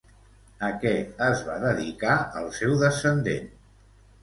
A què es va dedicar el seu descendent?